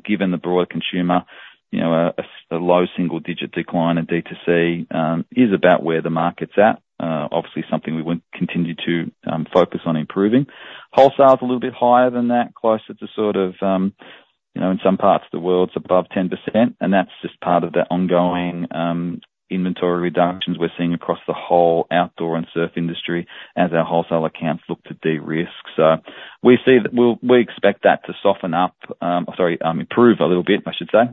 given the broader consumer, you know, a low single digit decline in D2C, is about where the market's at. Obviously something we would continue to focus on improving. Wholesale is a little bit higher than that, closer to sort of, you know, in some parts of the world, it's above 10%, and that's just part of the ongoing inventory reductions we're seeing across the whole outdoor and surf industry as our wholesale accounts look to de-risk. So we see that... We expect that to soften up, sorry, improve a little bit, I should say,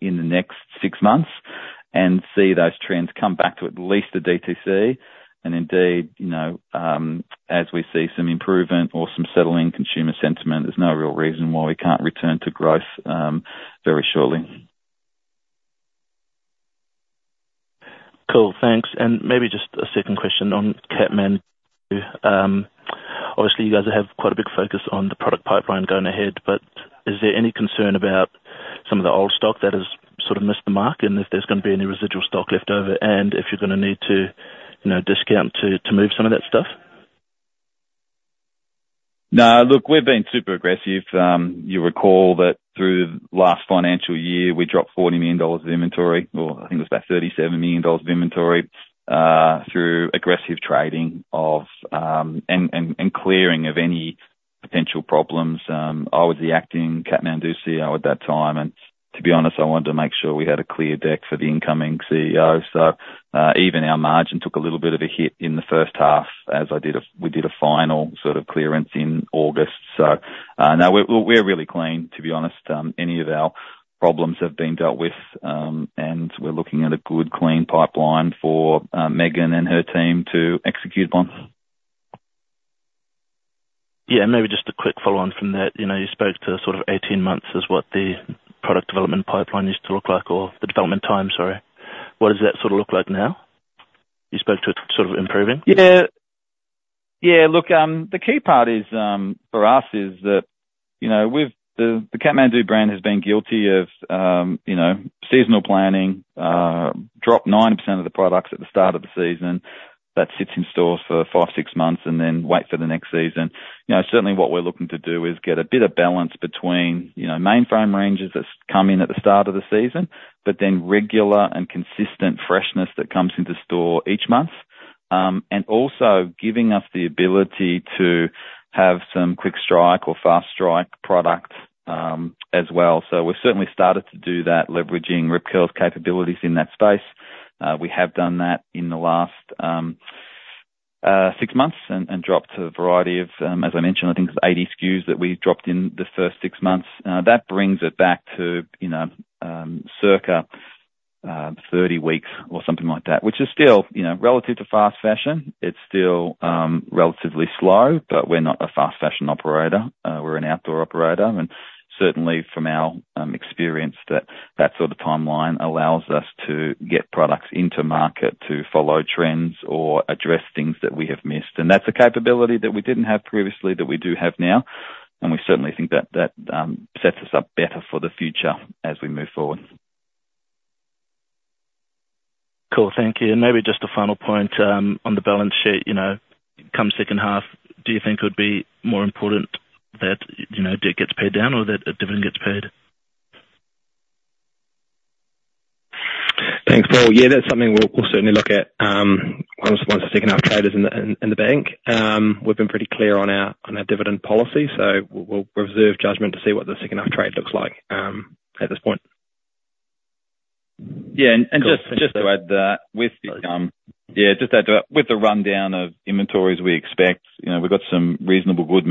in the next six months, and see those trends come back to at least the D2C. And indeed, you know, as we see some improvement or some settling consumer sentiment, there's no real reason why we can't return to growth, very shortly. Cool, thanks. Maybe just a second question on Kathmandu. Obviously, you guys have quite a big focus on the product pipeline going ahead, but is there any concern about some of the old stock that has sort of missed the mark, and if there's gonna be any residual stock left over, and if you're gonna need to, you know, discount to move some of that stuff? No. Look, we've been super aggressive. You'll recall that through last financial year, we dropped 40 million dollars of inventory, or I think it was about 37 million dollars of inventory, through aggressive trading of, and clearing of any potential problems. I was the acting Kathmandu CEO at that time, and to be honest, I wanted to make sure we had a clear deck for the incoming CEO. So, even our margin took a little bit of a hit in the first half, as we did a final sort of clearance in August. So, no, we're really clean, to be honest. Any of our problems have been dealt with, and we're looking at a good, clean pipeline for Megan and her team to execute upon. Yeah, maybe just a quick follow-on from that. You know, you spoke to sort of 18 months as what the product development pipeline needs to look like or the development time, sorry. What does that sort of look like now? You spoke to it sort of improving. Yeah. Yeah, look, the key part is, for us is that, you know, we've-- the, the Kathmandu brand has been guilty of, you know, seasonal planning, drop 9% of the products at the start of the season. That sits in stores for five, six months, and then wait for the next season. You know, certainly what we're looking to do is get a bit of balance between, you know, mainstream ranges that's come in at the start of the season, but then regular and consistent freshness that comes into store each month. And also giving us the ability to have some quick strike or fast strike product, as well. So we've certainly started to do that, leveraging Rip Curl's capabilities in that space. We have done that in the last six months and dropped a variety of, as I mentioned, I think it's 80 SKUs that we've dropped in the first six months. That brings it back to circa 30 weeks or something like that, which is still, you know, relative to fast fashion, it's still relatively slow, but we're not a fast fashion operator. We're an outdoor operator, and certainly from our experience, that sort of timeline allows us to get products into market to follow trends or address things that we have missed. And that's a capability that we didn't have previously, that we do have now, and we certainly think that sets us up better for the future as we move forward. Cool. Thank you. Maybe just a final point, on the balance sheet, you know, come second half, do you think it would be more important that, you know, debt gets paid down or that a dividend gets paid? Thanks, Paul. Yeah, that's something we'll certainly look at once the second half trade is in the bank. We've been pretty clear on our dividend policy, so we'll reserve judgment to see what the second half trade looks like at this point. Yeah, and just- Cool. Just to add that with the, Sorry. Yeah, just to add to that, with the rundown of inventories we expect, you know, we've got some reasonable good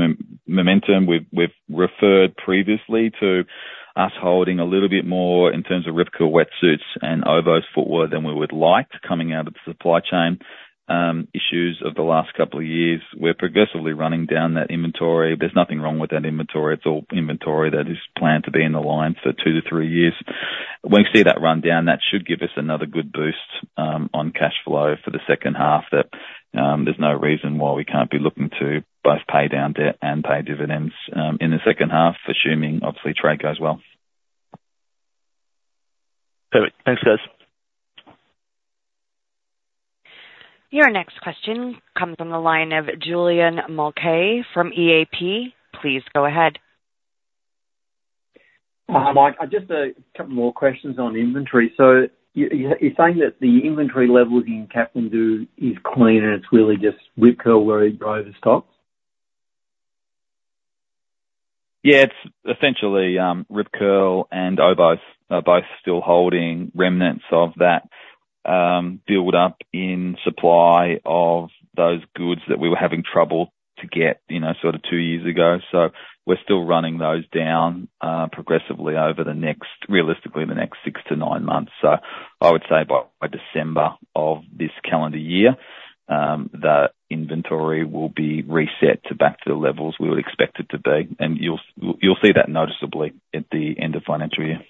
momentum. We've referred previously to us holding a little bit more in terms of Rip Curl wetsuits and Oboz footwear than we would like, coming out of the supply chain issues of the last couple of years. We're progressively running down that inventory. There's nothing wrong with that inventory. It's all inventory that is planned to be in the line for two to three years. When we see that run down, that should give us another good boost on cash flow for the second half, that there's no reason why we can't be looking to both pay down debt and pay dividends in the second half, assuming obviously trade goes well. Perfect. Thanks, guys. Your next question comes on the line of Julian Mulcahy from E&P. Please go ahead. Mike, just a couple more questions on inventory. So you're saying that the inventory levels in Kathmandu is clean, and it's really just Rip Curl where it overstocked? Yeah, it's essentially, Rip Curl and Oboz are both still holding remnants of that, build up in supply of those goods that we were having trouble to get, you know, sort of two years ago. So we're still running those down, progressively over the next... realistically, the next six to nine months. So I would say by, by December of this calendar year, the inventory will be reset to back to the levels we would expect it to be, and you'll, you'll see that noticeably at the end of financial year.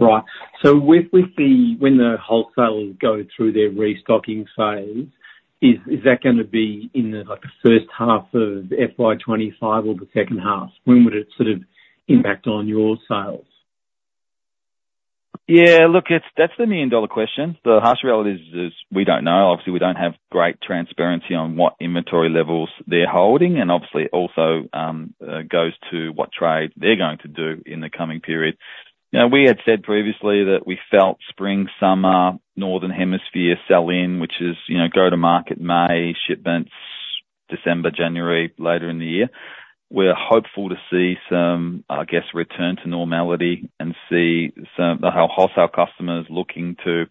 Right. So with the, when the wholesalers go through their restocking phase, is that gonna be in, like, the first half of FY 25 or the second half? When would it sort of impact on your sales? Yeah, look, it's, that's the million-dollar question. The harsh reality is, is we don't know. Obviously, we don't have great transparency on what inventory levels they're holding, and obviously, also, goes to what trade they're going to do in the coming period. Now, we had said previously that we felt spring, summer, Northern Hemisphere sell in, which is, you know, go to market May, shipments December, January, later in the year. We're hopeful to see some, I guess, return to normality and see some, how wholesale customers looking to,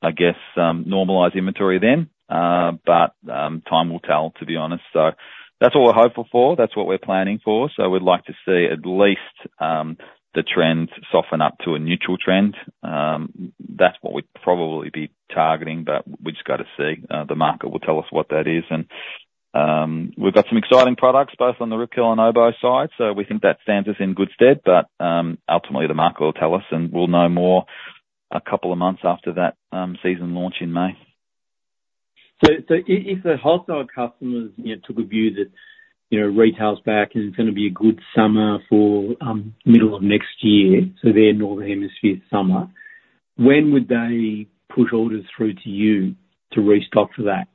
I guess, normalize inventory then. But, time will tell, to be honest. So that's what we're hopeful for. That's what we're planning for. So we'd like to see at least, the trends soften up to a neutral trend. That's what we'd probably be targeting, but we've just got to see. The market will tell us what that is. We've got some excycling products both on the Rip Curl and Oboz side, so we think that stands us in good stead. Ultimately, the market will tell us, and we'll know more a couple of months after that season launch in May. If the wholesale customers, you know, took a view that, you know, retail's back and it's gonna be a good summer for middle of next year, so their Northern Hemisphere summer, when would they push orders through to you to restock for that?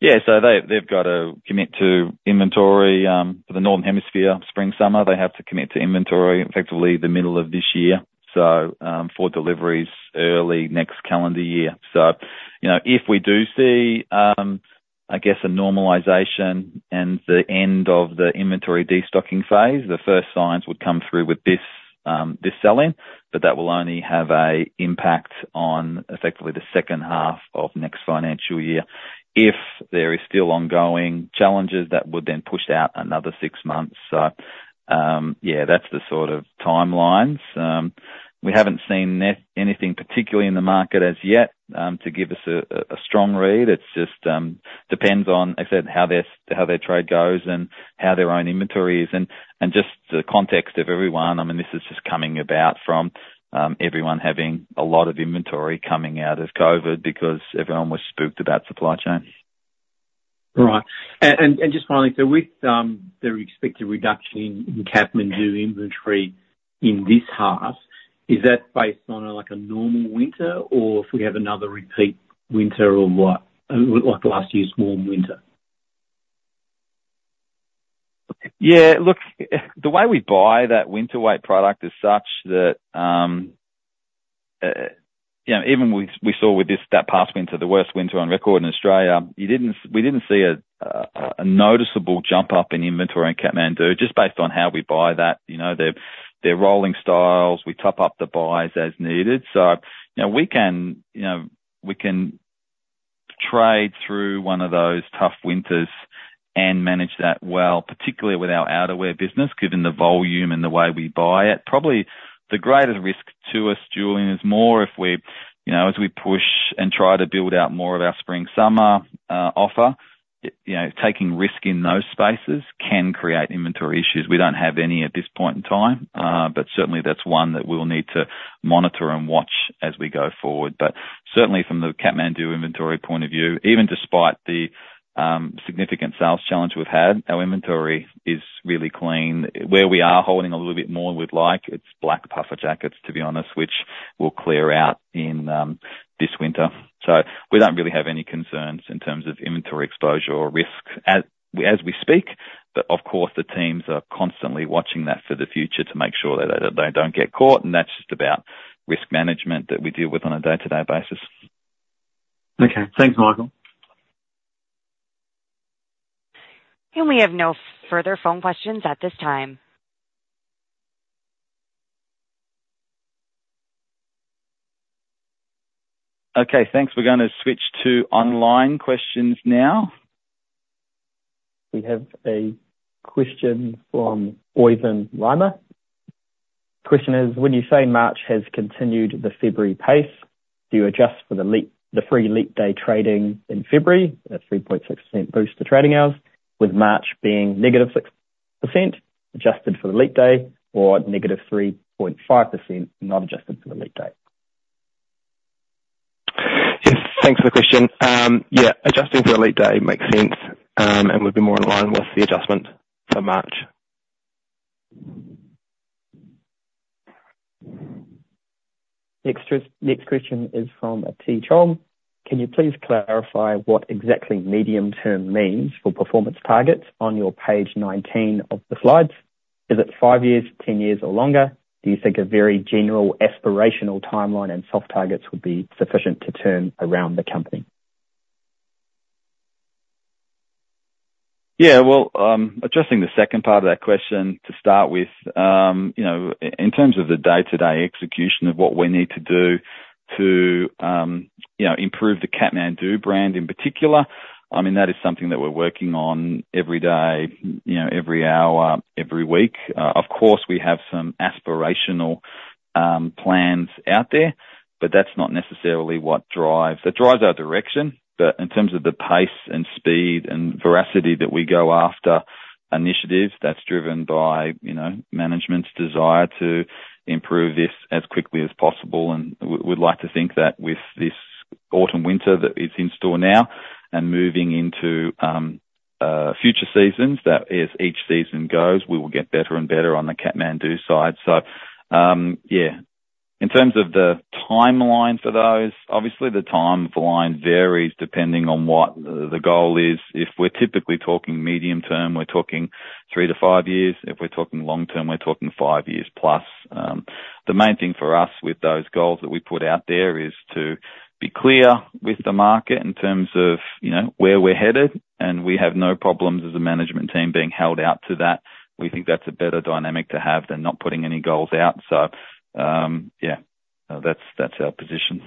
Yeah, so they, they've got to commit to inventory, for the Northern Hemisphere spring, summer. They have to commit to inventory effectively the middle of this year, so, for deliveries early next calendar year. So, you know, if we do see, I guess, a normalization and the end of the inventory destocking phase, the first signs would come through with this, this sell-in, but that will only have a impact on effectively the second half of next financial year. If there is still ongoing challenges, that would then push out another six months. So, yeah, that's the sort of timelines. We haven't seen anything particularly in the market as yet, to give us a strong read. It's just depends on, I said, how their trade goes and how their own inventory is and just the context of everyone. I mean, this is just coming about from everyone having a lot of inventory coming out of COVID, because everyone was spooked about supply chain. Right. And just finally, so with the expected reduction in Kathmandu inventory in this half, is that based on, like, a normal winter, or if we have another repeat winter or what? Like last year's warm winter. Yeah, look, the way we buy that winter weight product is such that, you know, even we, we saw with this, that past winter, the worst winter on record in Australia, we didn't see a noticeable jump up in inventory on Kathmandu just based on how we buy that. You know, their, their rolling styles. We top up the buys as needed. So, you know, we can, you know, we can trade through one of those tough winters and manage that well, particularly with our outerwear business, given the volume and the way we buy it. Probably the greatest risk to us, Julian, is more if we, you know, as we push and try to build out more of our spring/summer offer, you know, taking risk in those spaces can create inventory issues. We don't have any at this point in time, but certainly that's one that we'll need to monitor and watch as we go forward. But certainly from the Kathmandu inventory point of view, even despite the significant sales challenge we've had, our inventory is really clean. Where we are holding a little bit more than we'd like, it's black puffer jackets, to be honest, which will clear out in this winter. So we don't really have any concerns in terms of inventory exposure or risk as we speak, but, of course, the teams are constantly watching that for the future to make sure that they don't get caught, and that's just about risk management that we deal with on a day-to-day basis. Okay. Thanks, Michael. We have no further phone questions at this time. Okay, thanks. We're gonna switch to online questions now. We have a question from Oisin Rymer. Question is: When you say March has continued the February pace, do you adjust for the extra leap day trading in February, a 3.6% boost to trading hours, with March being -6% adjusted for the leap day, or -3.5% not adjusted for the leap day? Yes, thanks for the question. Yeah, adjusting for the leap day makes sense, and would be more in line with the adjustment for March. Next question is from T. Chong. Can you please clarify what exactly medium term means for performance targets on your page 19 of the slides? Is it 5 years, 10 years, or longer? Do you think a very general aspirational timeline and soft targets would be sufficient to turn around the company? Yeah, well, addressing the second part of that question to start with, you know, in terms of the day-to-day execution of what we need to do to, you know, improve the Kathmandu brand in particular, I mean, that is something that we're working on every day, you know, every hour, every week. Of course, we have some aspirational plans out there, but that's not necessarily what drives... It drives our direction, but in terms of the pace and speed and veracity that we go after initiatives, that's driven by, you know, management's desire to improve this as quickly as possible. And we'd like to think that with this autumn/winter that is in store now, and moving into future seasons, that as each season goes, we will get better and better on the Kathmandu side. So, yeah, in terms of the timeline for those, obviously the timeline varies depending on what the goal is. If we're typically talking medium term, we're talking three-five years. If we're talking long term, we're talking five years plus. The main thing for us with those goals that we put out there is to be clear with the market in terms of, you know, where we're headed, and we have no problems as a management team being held out to that. We think that's a better dynamic to have than not putting any goals out. So, yeah, that's our position.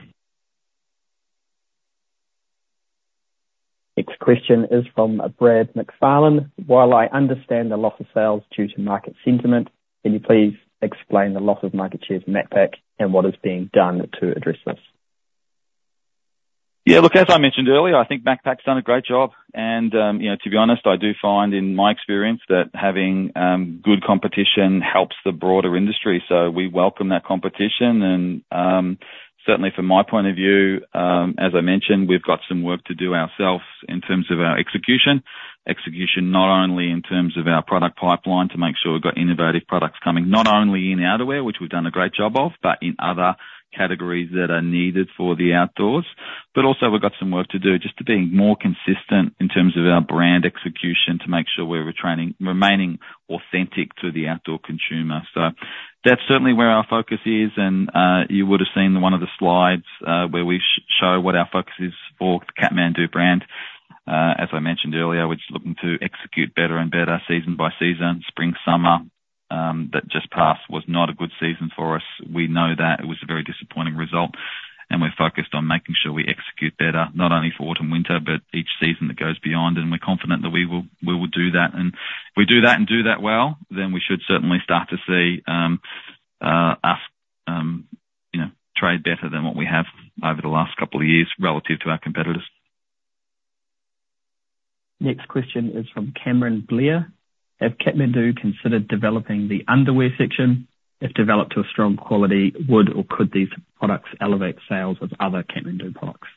Next question is from, Brad McFarlane. While I understand the loss of sales due to market sentiment, can you please explain the loss of market share to Macpac and what is being done to address this? Yeah, look, as I mentioned earlier, I think Macpac's done a great job, and, you know, to be honest, I do find in my experience that having good competition helps the broader industry, so we welcome that competition, and certainly from my point of view, as I mentioned, we've got some work to do ourselves in terms of our execution. Execution, not only in terms of our product pipeline to make sure we've got innovative products coming, not only in outerwear, which we've done a great job of, but in other categories that are needed for the outdoors. But also we've got some work to do just to being more consistent in terms of our brand execution, to make sure we're remaining authentic to the outdoor consumer. So that's certainly where our focus is, and you would've seen one of the slides where we show what our focus is for the Kathmandu brand. As I mentioned earlier, we're just looking to execute better and better season by season. Spring/summer that just passed was not a good season for us. We know that. It was a very disappointing result, and we're focused on making sure we execute better, not only for autumn/winter, but each season that goes beyond, and we're confident that we will, we will do that. And if we do that, and do that well, then we should certainly start to see us, you know, trade better than what we have over the last couple of years, relative to our competitors. Next question is from Cameron Blair. Have Kathmandu considered developing the underwear section? If developed to a strong quality, would or could these products elevate sales of other Kathmandu products?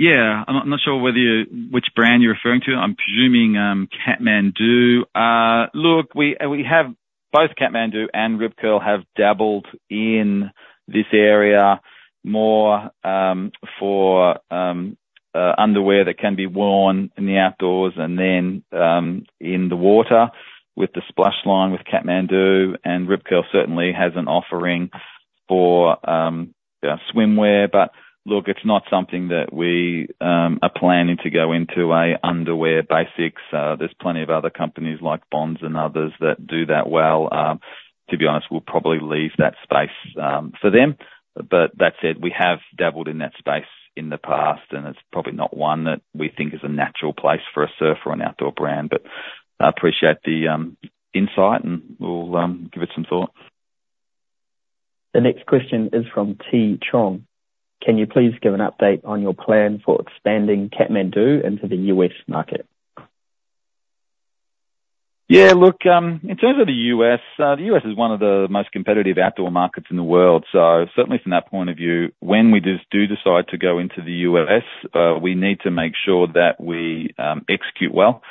Yeah. I'm not sure which brand you're referring to. I'm presuming Kathmandu. Look, we have both Kathmandu and Rip Curl have dabbled in this area more for underwear that can be worn in the outdoors, and then in the water with the Splash line with Kathmandu, and Rip Curl certainly has an offering for swimwear, but. Look, it's not something that we are planning to go into, underwear basics. There's plenty of other companies like Bonds and others that do that well. To be honest, we'll probably leave that space for them. But that said, we have dabbled in that space in the past, and it's probably not one that we think is a natural place for a surf or an outdoor brand. But I appreciate the insight, and we'll give it some thought. The next question is from T. Chong: Can you please give an update on your plan for expanding Kathmandu into the U.S. market? Yeah, look, in terms of the U.S., the U.S. is one of the most competitive outdoor markets in the world. So certainly from that point of view, when we just do decide to go into the U.S., we need to make sure that we execute well.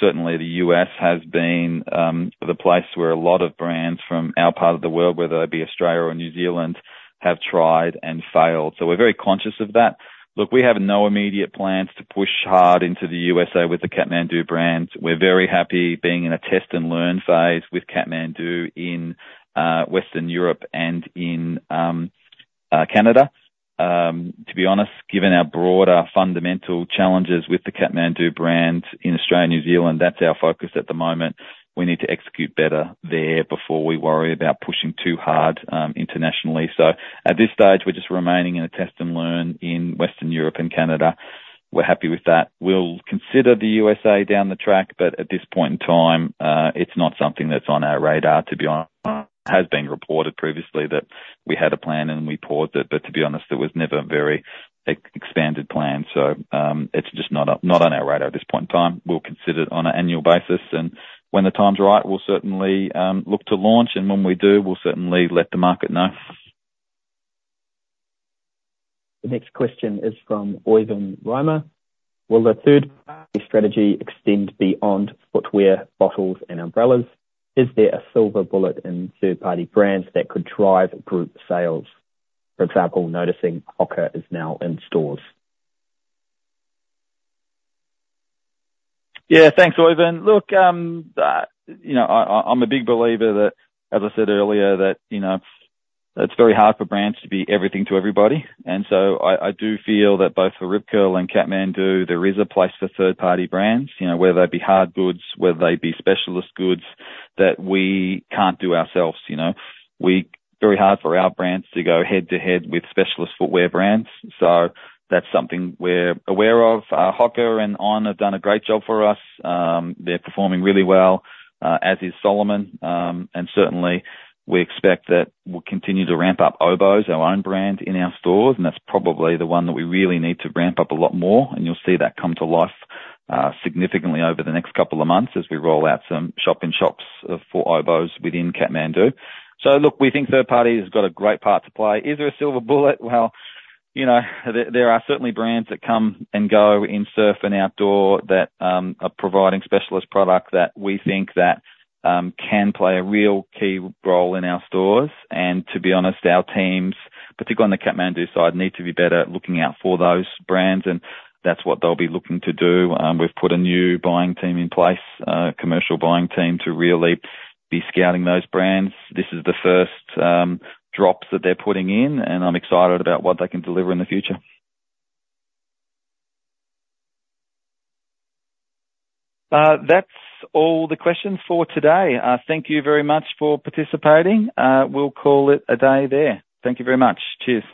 Certainly, the U.S. has been the place where a lot of brands from our part of the world, whether it be Australia or New Zealand, have tried and failed. So we're very conscious of that. Look, we have no immediate plans to push hard into the USA with the Kathmandu brands. We're very happy being in a test-and-learn phase with Kathmandu in Western Europe and in Canada. To be honest, given our broader fundamental challenges with the Kathmandu brands in Australia and New Zealand, that's our focus at the moment. We need to execute better there before we worry about pushing too hard, internationally. So at this stage, we're just remaining in a test and learn in Western Europe and Canada. We're happy with that. We'll consider the USA down the track, but at this point in time, it's not something that's on our radar, to be honest. It has been reported previously that we had a plan and we paused it, but to be honest, it was never a very expanded plan. So, it's just not on, not on our radar at this point in time. We'll consider it on an annual basis, and when the time's right, we'll certainly look to launch, and when we do, we'll certainly let the market know. The next question is from Oisin Rymer: Will the third party strategy extend beyond footwear, bottles, and umbrellas? Is there a silver bullet in third-party brands that could drive group sales? For example, noticing HOKA is now in stores. Yeah, thanks, Oisin. Look, you know, I'm a big believer that, as I said earlier, that, you know, it's very hard for brands to be everything to everybody. And so I do feel that both for Rip Curl and Kathmandu, there is a place for third-party brands, you know, whether they be hard goods, whether they be specialist goods that we can't do ourselves, you know. Very hard for our brands to go head-to-head with specialist footwear brands, so that's something we're aware of. HOKA and ON have done a great job for us. They're performing really well, as is Salomon. And certainly, we expect that we'll continue to ramp up Oboz, our own brand, in our stores, and that's probably the one that we really need to ramp up a lot more, and you'll see that come to life, significantly over the next couple of months as we roll out some shop-in-shops, for Oboz within Kathmandu. So look, we think third party has got a great part to play. Is there a silver bullet? Well, you know, there, there are certainly brands that come and go in surf and outdoor that, are providing specialist product that we think that, can play a real key role in our stores. And to be honest, our teams, particularly on the Kathmandu side, need to be better at looking out for those brands, and that's what they'll be looking to do. We've put a new buying team in place, a commercial buying team, to really be scouting those brands. This is the first drops that they're putting in, and I'm excited about what they can deliver in the future. That's all the questions for today. Thank you very much for participating. We'll call it a day there. Thank you very much. Cheers.